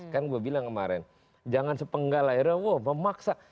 kan gue bilang kemarin jangan sepenggal akhirnya wah memaksa